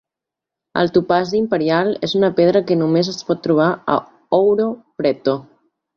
El topazi imperial és una pedra que només es pot trobar a Ouro Preto.